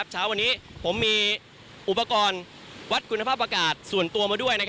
เช้าวันนี้ผมมีอุปกรณ์วัดคุณภาพอากาศส่วนตัวมาด้วย